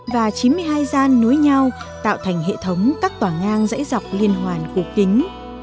và chín mươi hai gian nối nhau tạo thành hệ thống các tòa ngang dãy dọc liên hoàn cổ kính